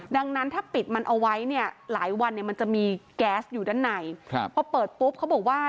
ดังนั้นถ้าปิดมันเอาไว้หลายวันมันจะมีแก๊สอยู่ด้านในเพราะเปิดปุ๊บเขาบอกว่า